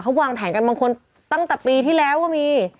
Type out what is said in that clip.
เขาวางแผนกันบางคนตั้งแต่ปีที่แล้วก็มี